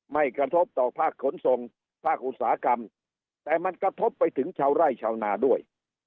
ไม่กระทบต่อภาคขนส่งภาคอุตสาหกรรมแต่มันกระทบไปถึงชาวไร่ชาวนาด้วย